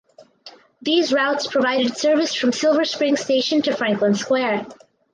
These routes provided service from Silver Spring station to Franklin Square.